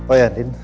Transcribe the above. oh ya din